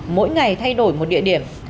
mỗi ngày thay đổi một địa điểm